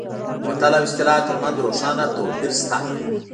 د متل او اصطلاح ترمنځ روښانه توپیر شته